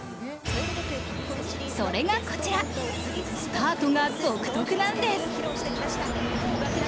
それがこちら、スタートが独特なんです。